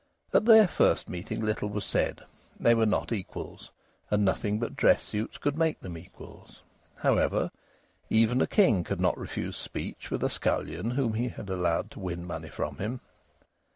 At their first meeting little was said. They were not equals, and nothing but dress suits could make them equals. However, even a king could not refuse speech with a scullion whom he had allowed to win money from him.